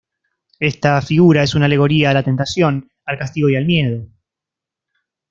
Esta figura es una alegoría a la tentación, al castigo y al miedo.